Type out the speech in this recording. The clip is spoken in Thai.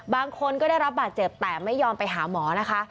บางคนก็ได้รับบาดเจ็บแต่ไม่ยอมไปหาหมอนะคะ